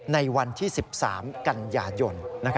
ในวันที่๑๓กันยายน